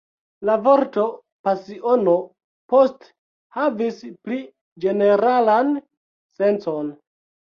La vorto pasiono poste havis pli ĝeneralan sencon.